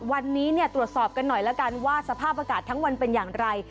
วันนี้ตรวจสอบกันหน่อยแล้วกันว่าสภาพอากาศทั้งวันเป็นอย่างไร